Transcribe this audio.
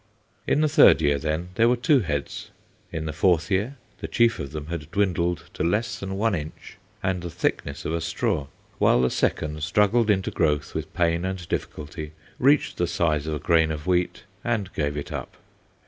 In the third year then, there were two heads. In the fourth year, the chief of them had dwindled to less than one inch and the thickness of a straw, while the second struggled into growth with pain and difficulty, reached the size of a grain of wheat, and gave it up.